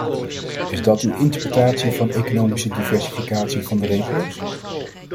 Is dat uw interpretatie van economische diversificatie van de regio's?